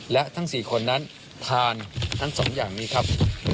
และทั้ง๔คนนั้นทานทั้ง๒อย่างนี้ครับ